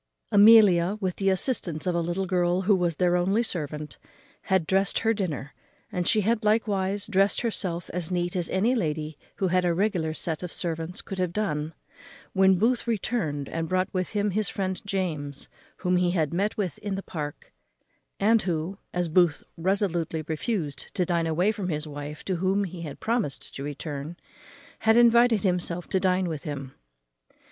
_ Amelia, with the assistance of a little girl, who was their only servant, had drest her dinner, and she had likewise drest herself as neat as any lady who had a regular sett of servants could have done, when Booth returned, and brought with him his friend James, whom he had met with in the Park; and who, as Booth absolutely refused to dine away from his wife, to whom he had promised to return, had invited himself to dine with him.